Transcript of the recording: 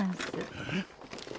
えっ？